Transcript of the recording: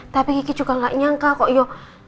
tapi gigi juga enggak nyangka kok yo